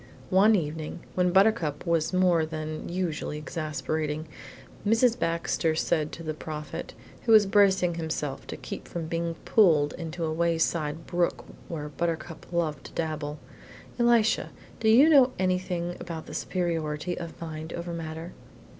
One evening, when Buttercup was more than usually exasperating, Mrs. Baxter said to the Prophet, who was bracing himself to keep from being pulled into a wayside brook where Buttercup loved to dabble, "Elisha, do you know anything about the superiority of mind over matter?"